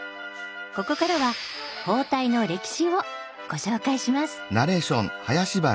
ここからは包帯の歴史をご紹介します。